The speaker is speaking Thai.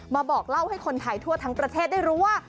บอกเล่าให้คนไทยทั่วทั้งประเทศได้รู้ว่า